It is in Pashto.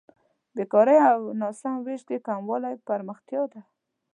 بېکارۍ او ناسم وېش کې کموالی پرمختیا ده.